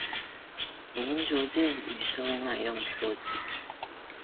已經逐漸與社會脈動脫節